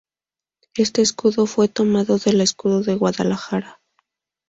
Este escudo fue tomado del Escudo de Guadalajara.